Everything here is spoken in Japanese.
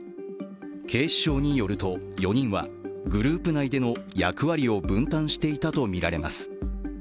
警視庁によると４人はグループ内での役割を分担していたとみられます。